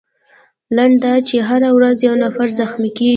لنډه دا چې هره ورځ یو نفر زخمي کیږي.